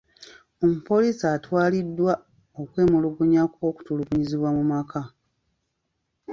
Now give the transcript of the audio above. Omupoliisi atwaliddwa okwemulugunya kw'okutulugunyizibwa mu maka.